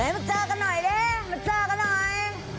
มาเจอกันหน่อยดิมาเจอกันหน่อย